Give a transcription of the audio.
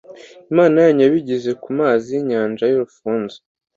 imana yanyu, yabigize ku mazi y'inyanja y'urufunzo